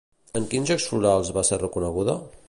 En quins Jocs Florals va ser reconeguda?